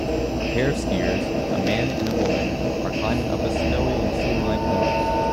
A pair of skiers a man and a woman are climbing up a snowy and treelined hill